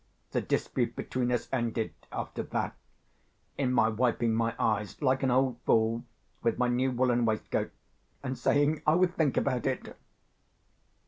The dispute between us ended, after that, in my wiping my eyes, like an old fool, with my new woollen waistcoat, and saying I would think about it.